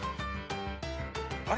あれ？